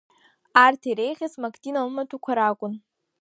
Арҭ иреиӷьыз Мактина лымаҭәақәа ракәын.